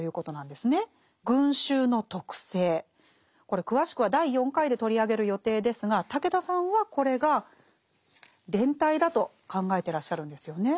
これ詳しくは第４回で取り上げる予定ですが武田さんはこれが「連帯」だと考えてらっしゃるんですよね。